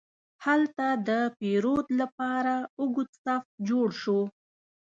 هلته د پیرود لپاره اوږد صف جوړ شو.